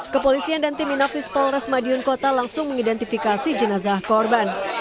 kepolisian dan tim inafis polres madiun kota langsung mengidentifikasi jenazah korban